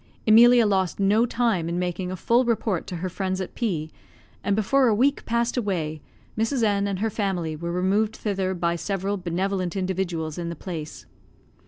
Emilia lost no time in making a full report to her friends at P ; and before a week passed away, Mrs. N and her family were removed thither by several benevolent individuals in the place.